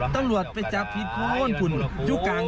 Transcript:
ตำรวจไปจับผิดโฟนคุณอยู่กลางถนน